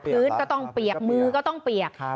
พื้นก็ต้องเปียกมือก็ต้องเปียก